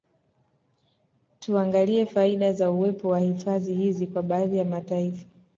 Tuangalie faida za uwepo wa hifadhi hizi kwa baadhi ya mataifa